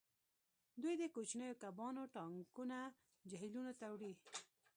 دوی د کوچنیو کبانو ټانکونه جهیلونو ته وړي